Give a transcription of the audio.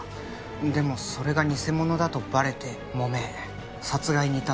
でもそれが偽物だとバレて揉め殺害に至った。